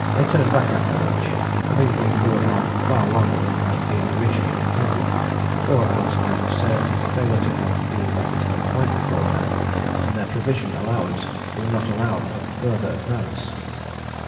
They turned back after lunch, having been brought on far longer than had been originally intended, for, as I have said, they were to have been back at Hut Point before now, and their provision allowance would not allow of further advance.